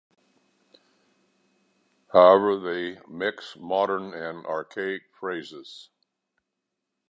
However, they mix modern and archaic phrases.